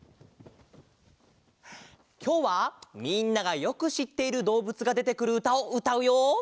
きょうはみんながよくしっているどうぶつがでてくるうたをうたうよ。